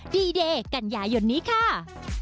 ดีเดย์กันยายนนี้ค่ะ